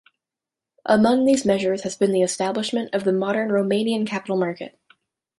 Among these measures has been the establishment of the modern Romanian capital market.